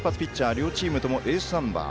両チームともエースナンバー。